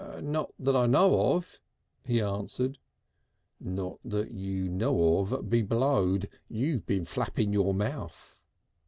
"Not that I know of," he answered. "Not that you know of, be blowed! You been flapping your mouth."